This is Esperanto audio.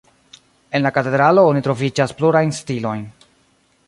En la katedralo oni troviĝas plurajn stilojn.